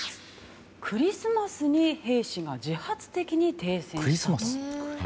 クリスマスに兵士が自発的に停戦。